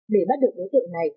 để bắt được đối tượng này